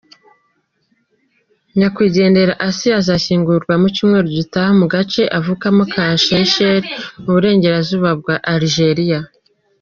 Nyakwigendera Assia, azashyingurwa mu cyumweru gitaha mu gace avukamo ka Cherchell, mu Burengerazubabwa Algeria.